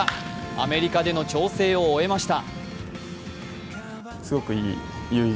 アメリカでの調整を終えました。